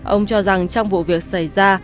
ông cho rằng trong vụ việc xảy ra